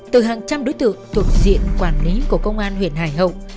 từ hàng trăm đối tượng thuộc diện quản lý của công an huyện hải hậu